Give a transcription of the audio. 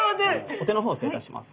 お手の方失礼いたします。